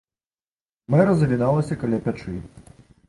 Мэра завіналася каля печы.